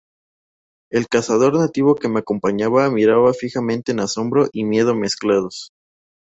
El cazador nativo que me acompañaba miraba fijamente en asombro y miedo mezclados.